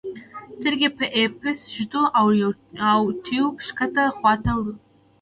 سترګې په آی پیس ږدو او ټیوب ښکته خواته وړو.